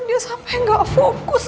dia sampai gak fokus